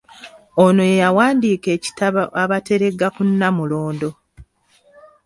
Ono ye yawandiika ekitabo “Abateregga ku Nnamulondo῎